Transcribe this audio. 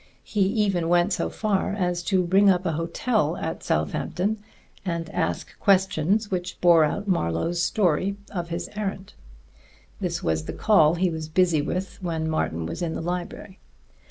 He even went so far as to ring up a hotel at Southampton and ask questions which bore out Marlowe's story of his errand. This was the call he was busy with when Martin was in the library.